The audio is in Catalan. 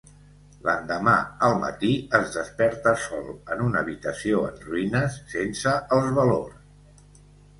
L'endemà al matí es desperta sol en una habitació en ruïnes, sense els valors.